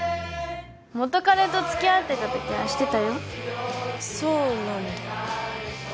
元彼と付き合ってた時はしてたよそうなんだ